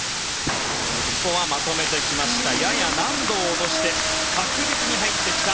ここはまとめてきました。